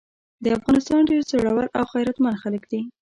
د افغانستان ډير زړور او غيرتمن خلګ دي۔